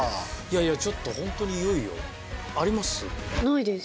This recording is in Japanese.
ちょっとホントにいよいよ。あります？